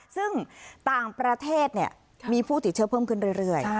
ซึ่งต่างประเทศมีผู้ติดเชื้อเพิ่มขึ้นเรื่อย